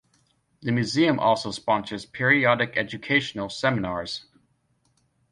The museum also sponsors periodic educational seminars.